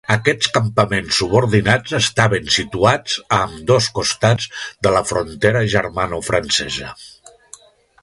Aquests campaments subordinats estaven situats a ambdós costats de la frontera germanofrancesa.